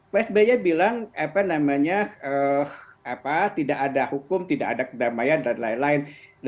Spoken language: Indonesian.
pak sby bilang tidak ada hukum tidak ada kedamaian dan lain lain